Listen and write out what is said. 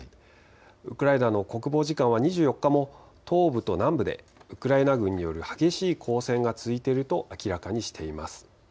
ウクライナの国防次官は２４日も東部と南部でウクライナ軍による激しい攻勢が続いていると明らかにしています。